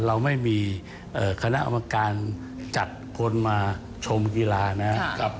เราไม่มีคณะกรรมการจัดคนมาชมกีฬานะครับ